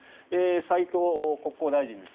斉藤国交大臣です。